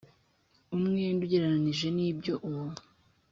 umwenda ugereranyije n ibyo uwo